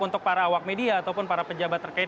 untuk para awak media ataupun para pejabat terkait